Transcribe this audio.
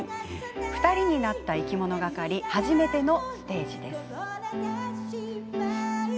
２人になった、いきものがかり初めてのステージです。